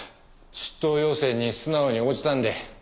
出頭要請に素直に応じたんで。